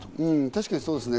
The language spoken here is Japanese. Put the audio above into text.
確かにそうですね。